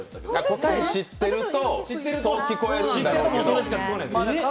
答え知ってると、そう聞こえるんだろうけど。